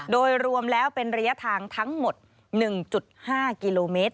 โดยรวมแล้วเป็นระยะทางทั้งหมด๑๕กิโลเมตร